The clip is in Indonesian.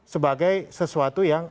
sebagai sesuatu yang